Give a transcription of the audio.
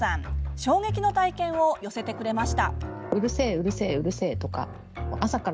衝撃の体験を寄せてくれました。